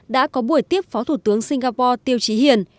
đã có buổi tiếp phó thủ tướng singapore tiêu trí hiền